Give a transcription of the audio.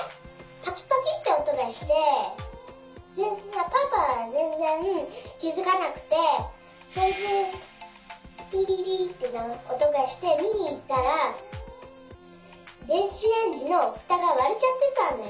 パキパキっておとがしてパパはぜんぜんきづかなくてそれでピピピっておとがしてみにいったらでんしレンジのふたがわれちゃってたんだよ。